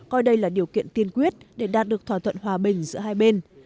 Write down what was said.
coi đây là điều kiện tiên quyết để đạt được thỏa thuận hòa bình giữa hai bên